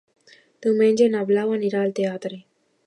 Diumenge na Blau anirà al teatre.